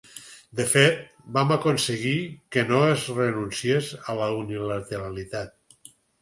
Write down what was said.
De fet, vam aconseguir que no es renunciés a la unilateralitat.